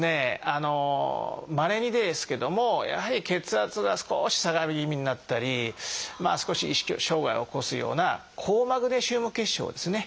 あのまれにですけどもやはり血圧が少し下がり気味になったり少し意識障害を起こすような「高マグネシウム血症」ですね。